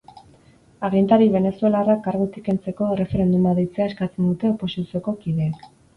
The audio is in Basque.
Agintari venezuelarra kargutik kentzeko erreferenduma deitzea eskatzen dute oposizioko kideek.